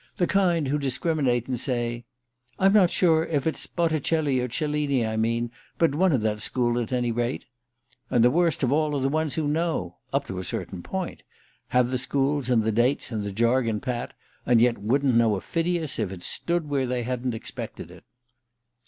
"The kind who discriminate and say: 'I'm not sure if it's Botticelli or Cellini I mean, but one of that school, at any rate.' And the worst of all are the ones who know up to a certain point: have the schools, and the dates and the jargon pat, and yet wouldn't know a Phidias if it stood where they hadn't expected it."